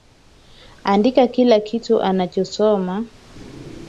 Andika kila kitu anachosema.